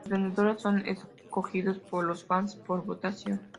Los vencedores son escogidos por los fans por votación.